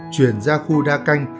truyền ra khu đa canh